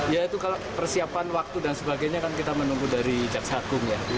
ya itu kalau persiapan waktu dan sebagainya kan kita menunggu dari jaksa agung ya